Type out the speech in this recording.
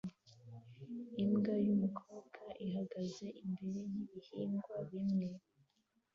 Imbwa yumukobwa ihagaze imbere yibihingwa bimwe